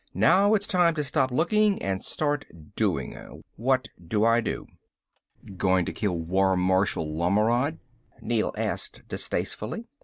"Now it's time to stop looking and start doing. What do I do?" "Going to kill War Marshal Lommeord?" Neel asked distastefully.